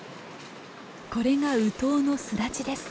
これがウトウの巣立ちです。